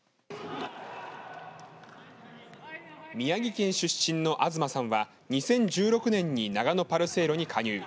宮城県出身の東さんは２０１６年に長野パルセイロに加入。